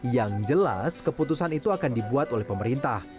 yang jelas keputusan itu akan dibuat oleh pemerintah